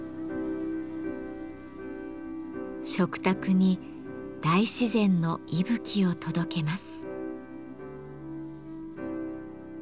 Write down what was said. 食卓に大自然の息吹を届けます。